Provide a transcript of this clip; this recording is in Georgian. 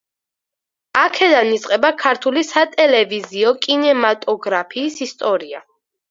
აქედან იწყება ქართული სატელევიზიო კინემატოგრაფიის ისტორია.